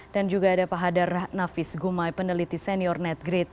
dan juga ada pak hadar nafis gumai peneliti senior netgrid